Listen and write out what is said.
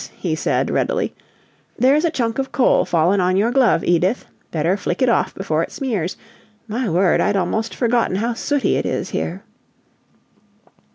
he said, readily. "There's a chunk of coal fallen on your glove, Edith. Better flick it off before it smears. My word! I'd almost forgotten how sooty it is here."